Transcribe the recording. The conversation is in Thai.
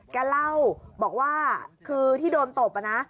แกเล่าบอกว่าคือที่โดนตบนะ